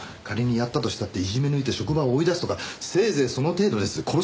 仮にやったとしたっていじめ抜いて職場を追い出すとかせいぜいその程度ですよ。